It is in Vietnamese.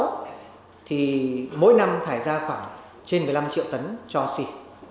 thì hàng năm tính đến năm hai nghìn một mươi sáu thì mỗi năm thải ra khoảng trên một mươi năm triệu tấn cho xì